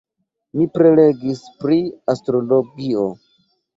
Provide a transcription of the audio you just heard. Mi prelegis pri Astrologio.